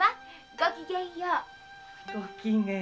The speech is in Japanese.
ごきげんよう。